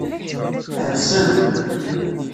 Ḥebsen.